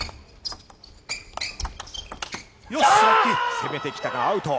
攻めてきたが、アウト。